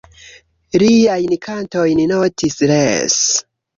Liajn kantojn notis, res.